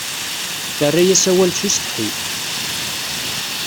Terra-yas awal s usetḥi